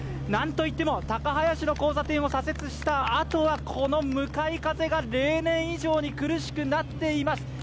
なんといっても、高林の交差点の左折したあとはこの向かい風が例年以上に苦しくなっています。